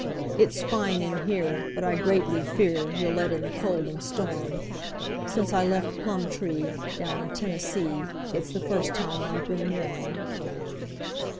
It's fine in here, but I greatly fear you'll let in the cold and storm Since I left Plumtree, down in Tennessee, it's the first time I've been warm."